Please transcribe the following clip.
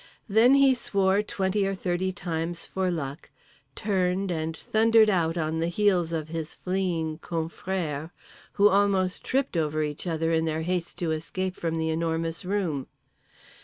Then he swore twenty or thirty times for luck, turned, and thundered out on the heels of his fleeing confrères who almost tripped over each other in their haste to escape from The Enormous Room.